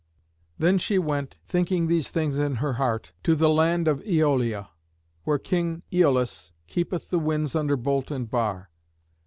Then she went, thinking these things in her heart, to the land of Æolia, where King Æolus keepeth the winds under bolt and bar.